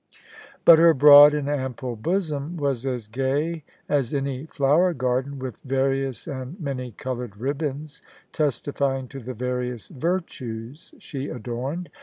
But her broad and ample bosom was as gay as any flower garden with various and many coloured ribbons testifying to the various virtues she adorned.